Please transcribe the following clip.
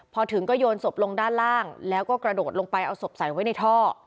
พอถึงก็โยนศพลงด้านล่างแล้วก็กระโดดลงไปเอาศพใส่ไว้ในท่อ